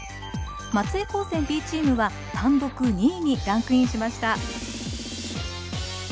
松江高専Ｂチームは単独２位にランクインしました。